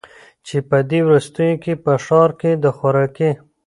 چي په دې وروستیو کي په ښار کي د خوراکي